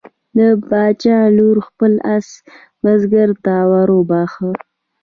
د باچا لور خپل آس بزګر ته وروبخښه.